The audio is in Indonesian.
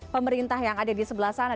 pemerintah yang ada di sebelah sana